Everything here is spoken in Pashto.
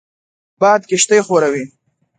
باد کښتۍ ښوروي